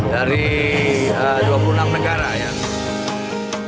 dari dua puluh enam negara ya